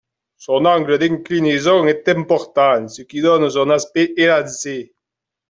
Son angle d'inclinaison est important, ce qui donne son aspect élancé.